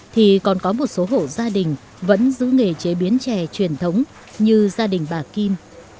thì còn có một số hộ gia đình vẫn giữ nghề chế biến chè truyền thống như gia đình bà kim